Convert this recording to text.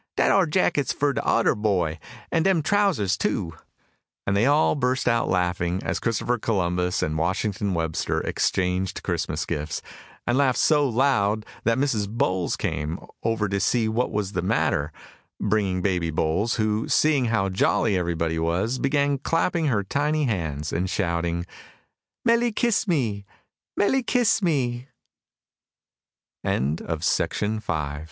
Dat ar jackit's fur de odder boy, an' dem trowsus too." And they all burst out laughing as Christopher Columbus and Washington Webster exchanged Christmas gifts, and laughed so loud that Mrs. Bowles came, over to see what was the matter, bringing Baby Bowles, who, seeing how jolly everybody was, began clapping her tiny hands, and shouting, "Melly